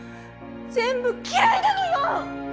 全部嫌いなのよ！